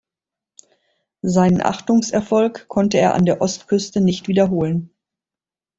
Seinen Achtungserfolg konnte er an der Ostküste nicht wiederholen.